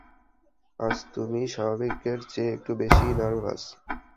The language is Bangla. আজ তুমি স্বাভাবিকের চেয়ে একটু বেশিই নার্ভাস।